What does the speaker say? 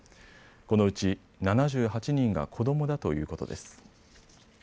このうち７８人が子どもだということです。